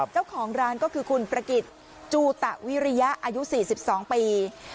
เจ้าของร้านก็คือคุณประกิจจูตะวิริยะอายุ๔๒ปี